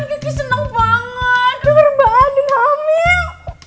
kiki seneng banget denger mbak andin hamil